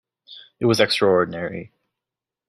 It was extraordinary.